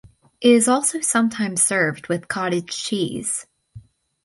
It is also sometimes served with cottage cheese.